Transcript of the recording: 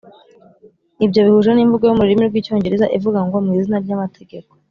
Ibyo bihuje n’imvugo yo mu rurimi rw’icyongereza ivuga ngo “mu izina ry’amategeko